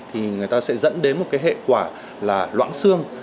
thì người ta sẽ dẫn đến một cái hệ quả là loãng xương